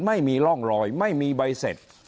ไม่มีร่องรอยไม่มีใบเสร็จ